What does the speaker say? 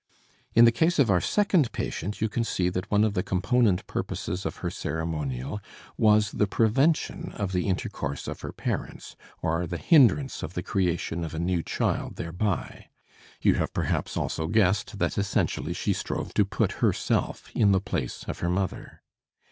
In the case of our second patient you can see that one of the component purposes of her ceremonial was the prevention of the intercourse of her parents or the hindrance of the creation of a new child thereby. You have perhaps also guessed that essentially she strove to put herself in the place of her mother.